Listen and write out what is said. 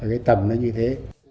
ở cái tầm nó như thế